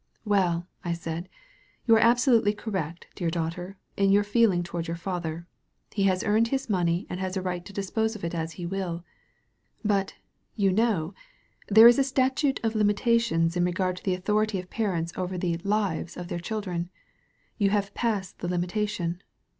"Well," I said, "you are absolutely correct, dear daughter, in your feeling toward your father. He has earned his money and has a right to dispose of it as he will. But, you know, there is a statute of limitations in regard to the authority of parents MA SALVAGE POINT over the lives of their children. You have passed the limitation.